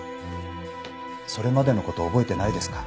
それまでの事覚えてないですか？